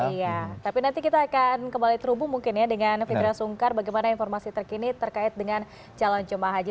iya tapi nanti kita akan kembali terhubung mungkin ya dengan fibra sungkar bagaimana informasi terkini terkait dengan calon jemaah haji